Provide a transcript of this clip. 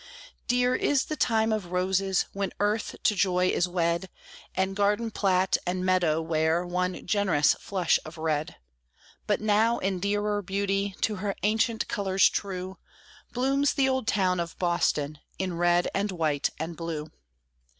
Dear is the time of roses, when earth to joy is wed, And garden plat and meadow wear one generous flush of red; But now in dearer beauty, to her ancient colors true, Blooms the old town of Boston in red and white and blue.